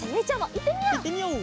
いってみよう！